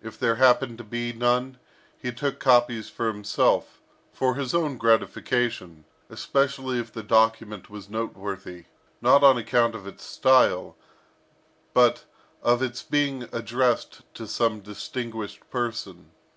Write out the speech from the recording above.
If there happened to be none, he took copies for himself, for his own gratification, especially if the document was noteworthy, not on account of its style, but of its being addressed to some distinguished person.